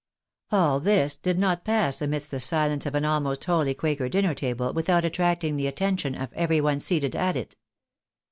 All this did not pass amidst the silence of an almost wholly quaker dinner table, without attracting the attention of every one seated at it.